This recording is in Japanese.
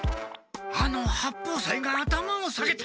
あの八方斎が頭を下げた。